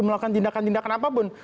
melakukan tindakan tindakan apapun